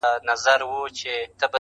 د ځان پېژندنه تر ټولو لویه هوښیاري ده